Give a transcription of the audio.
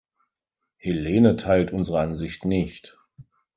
Helene teilt unsere Ansicht nicht.